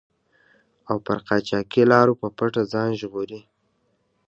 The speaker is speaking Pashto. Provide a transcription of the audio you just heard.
او پر قاچاقي لارو په پټه ځان ژغوري.